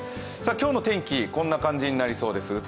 今日の天気、こんな感じになりそうです。